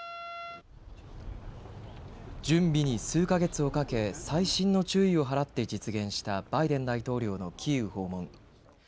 準備に数か月をかけ細心の注意を払って実現したバイデン大統領のキーウ訪問。